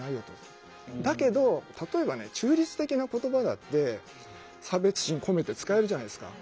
だけど例えばね中立的な言葉だって差別心込めて使えるじゃないですか。